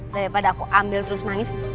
daripada aku ambil terus nangis